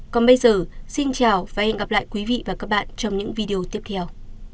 còn bây giờ xin chào và hẹn gặp lại quý vị và các bạn trong những video tiếp theo